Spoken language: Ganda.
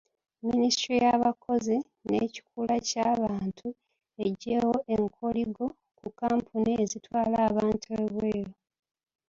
Minisitule y'abakozi n'ekikula kya bantu eggyeewo ekkoligo ku kkampuni ezitwala abantu ebweru.